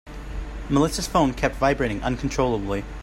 Melissa's phone kept vibrating uncontrollably.